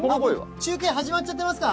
中継始まっちゃってますか？